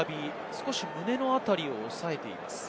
少し胸の辺りをおさえています。